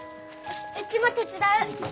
うちも手伝う。